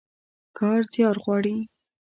کار زيار غواړي.